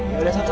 gak ada satunya